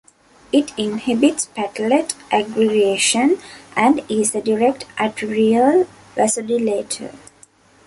It inhibits platelet aggregation and is a direct arterial vasodilator.